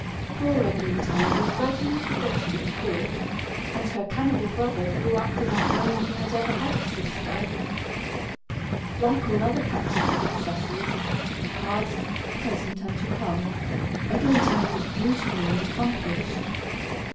Poor Eglantine was gradually forgotten at court, and her cannibal brother grew up without knowing he had ever had a sister. [Illustration: THE PRINCESS EGLANTINE.] Like all other captive princesses, past, present, and to come, Eglantine was beautiful and accomplished.